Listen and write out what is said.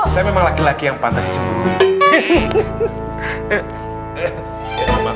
saya memang laki laki yang pantas jemput